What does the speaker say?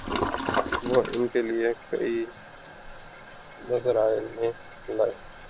وہ ان کے لیے کئی نذرانے لائے